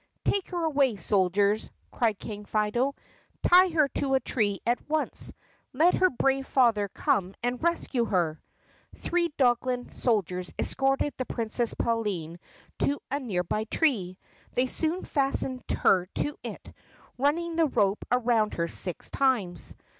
"Take her away, soldiers!" cried King Fido. "Tie her to a tree at once! Let her brave father come and rescue her!" Three Dogland soldiers escorted the Princess Pauline to a near by tree. They soon fastened her to it, running the rope around her six times.